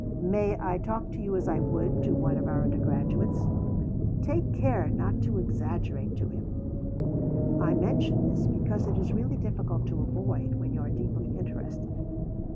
May I talk to you as I would to one of our undergraduates? Take care not to exaggerate to him (I mention this because it is really difficult to avoid when you are deeply interested).